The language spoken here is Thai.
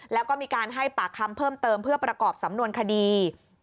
แล้วก็มีการให้ปากคำเพิ่มเติมเพื่อประกอบสำนวนคดี